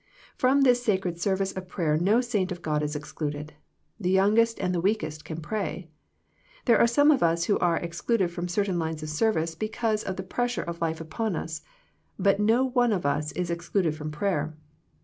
From this sacred service of prayer no saint of God is excluded ; the youngest and the weakest can pray. There are some of us who are ex cluded from certain lines of service because of the pressure of life upon us, but no one of us is excluded from prayer.